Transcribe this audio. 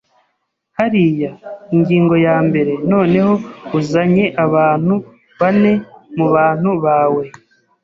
hariya? - ingingo ya mbere. Noneho, uzanye abantu bane mu bantu bawe,